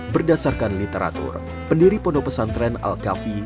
berdasarkan literatur pendiri pondok pesantren al kafi